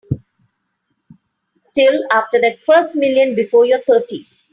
Still after that first million before you're thirty.